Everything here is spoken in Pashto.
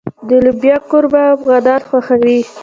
د لوبیا قورمه افغانان خوښوي.